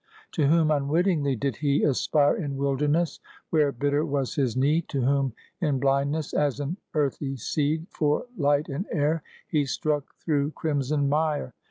To whom unwittingly did he aspire In wilderness, where bitter was his need: To whom in blindness, as an earthy seed For light and air, he struck through crimson mire.